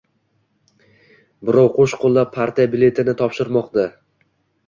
Birov qo‘shqo‘llab partiya biletini topshirmoqda.